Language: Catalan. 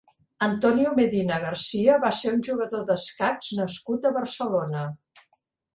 Antonio Medina García va ser un jugador d'escacs nascut a Barcelona.